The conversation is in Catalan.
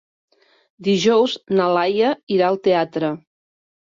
Dijous na Laia irà al teatre.